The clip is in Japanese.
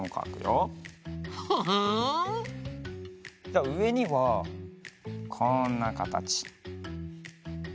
じゃあうえにはこんなかたち。